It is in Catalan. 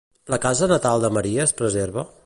La casa natal de Maria es preserva?